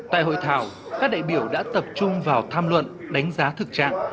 tại hội thảo các đại biểu đã tập trung vào tham luận đánh giá thực trạng